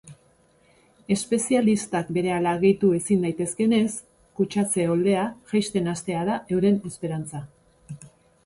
Espezialistak berehala gehitu ezin daitezkeenez, kutsatze oldea jaisten hastea da euren esperantza.